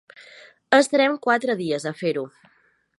Estarem quatre dies a fer-ho.